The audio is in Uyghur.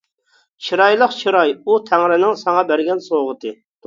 چىرايلىق چىراي ئۇ تەڭرىنىڭ ساڭا بەرگەن سوۋغىتى.